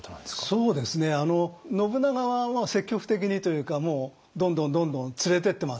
そうですね信長は積極的にというかどんどんどんどん連れてってますね。